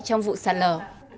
trong vụ sạt lở